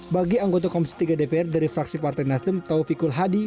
bagi anggota komisi tiga dpr dari fraksi partai nasdem taufikul hadi